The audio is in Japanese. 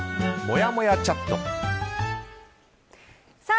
もやもやチャット。